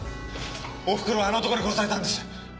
おふくろはあの男に殺されたんです！